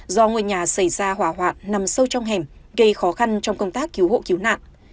do ngôi nhà xảy ra hỏa hoạn nằm sâu trong hẻm gây khó khăn trong công tác cứu hộ cứu nạn